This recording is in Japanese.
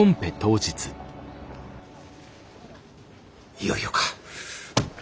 いよいよか。